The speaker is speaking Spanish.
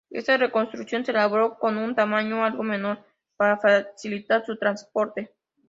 Esta reconstrucción se elaboró con un tamaño algo menor para facilitar su transporte.